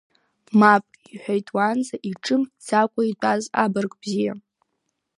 Мап, – иҳәеит уаанӡа иҿымҭӡакәа итәаз абырг бзиа.